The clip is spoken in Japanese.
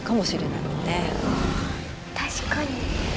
あ確かに。